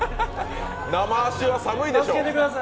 生足は寒いでしょ。